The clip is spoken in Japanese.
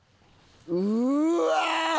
うわ！